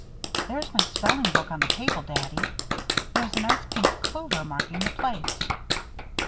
"There's my spelling book on the table, Daddy. There's a nice pink clover marking the place."